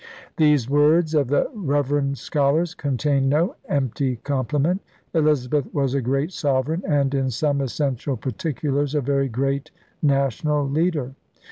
' These words of the reverend scholars contain no empty compliment. Elizabeth was a great sovereign and, in some essential particulars, a very great national leader.